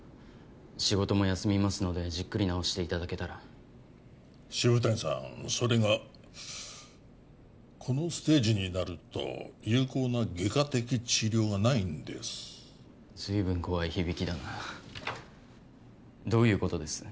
仕事も休みますのでじっくり治していただけたら渋谷さんそれがこのステージになると有効な外科的治療がないんです随分怖い響きだなどういうことです？